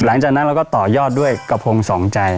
หลังจากนั้นเราก็ต่อยอดด้วยกระพงสองใจ